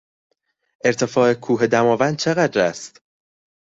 ارتفاع کوه دماوند چقدر است؟